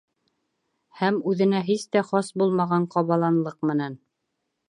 Һәм үҙенә һис тә хас булмаған ҡабаланлыҡ менән: